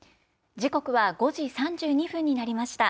時刻は５時３２分になりました。